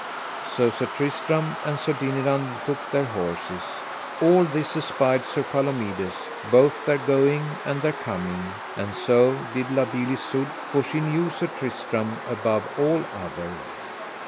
So Sir Tristram and Sir Dinadan took their horses. All this espied Sir Palomides, both their going and their coming, and so did La Beale Isoud, for she knew Sir Tristram above all other.